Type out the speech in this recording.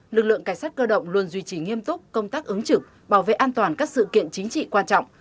lực lượng cảnh sát cơ động luôn duy trì nghiêm túc công tác ứng trực bảo vệ an toàn các sự kiện chính trị quan trọng